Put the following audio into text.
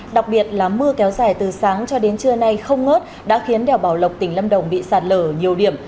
đặc biệt là mưa kéo dài từ sáng cho đến trưa nay không ngớt đã khiến đèo bảo lộc tỉnh lâm đồng bị sạt lở nhiều điểm